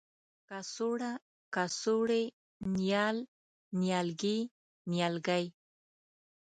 کڅوړه ، کڅوړې ،نیال، نيالګي، نیالګی